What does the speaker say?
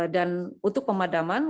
dan untuk pemadaman